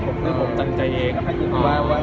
ต้องก็ไม่อยากจะิดการตี่ที่